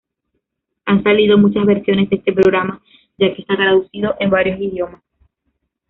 Han salido muchas versiones de este programa, ya que está traducido en varios idiomas.